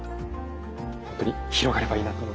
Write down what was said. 本当に広がればいいなと思いますね。